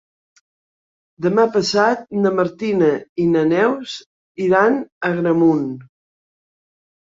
Demà passat na Martina i na Neus iran a Agramunt.